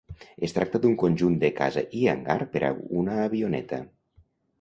Es tracta d'un conjunt de casa i hangar per a una avioneta.